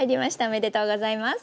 おめでとうございます。